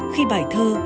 khi bài thơ